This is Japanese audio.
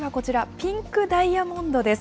ピンクダイヤモンドです。